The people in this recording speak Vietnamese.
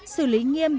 xử lý nghiêm